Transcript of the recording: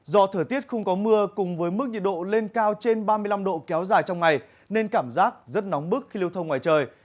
do thời tiết không có mưa cùng với mức nhiệt độ lên cao trên ba mươi năm độ kéo dài trong ngày nên cảm giác rất nóng bức khi lưu thông ngoài trời